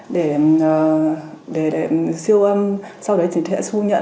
để siêu âm sau đó chỉ thể xu nhận